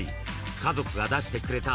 家族が出してくれた］